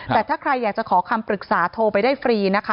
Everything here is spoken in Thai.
แต่ถ้าใครอยากจะขอคำปรึกษาโทรไปได้ฟรีนะคะ